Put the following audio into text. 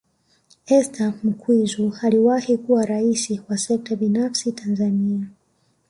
Esther Mkwizu aliwahi kuwa Rais wa Sekta Binafsi Tanzania